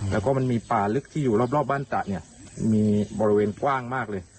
แล้วก็มันมีป่าลึกที่อยู่รอบบ้านตะเนี่ยมีบริเวณกว้างมากเลย